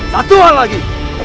satu hal lagi